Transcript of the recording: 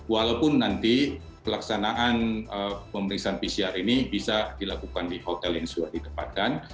walaupun nanti pelaksanaan pemeriksaan pcr ini bisa dilakukan di hotel yang sudah ditempatkan